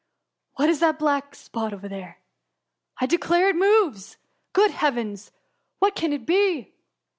^ What is that black spot tliere ? I declare it moves ! Good heavens ! what can it be